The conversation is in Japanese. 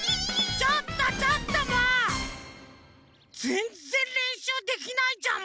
ぜんぜんれんしゅうできないじゃん